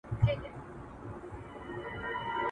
اقتصادي ستونزې کله ناکله د حکومتونو د پرځېدو لامل کېدې.